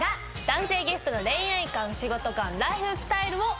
男性ゲストの恋愛観仕事観ライフスタイルを深掘りする。